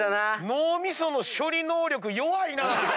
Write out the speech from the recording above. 脳みその処理能力弱いなぁ。